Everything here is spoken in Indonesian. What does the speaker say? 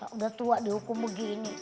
udah tua dihukum begini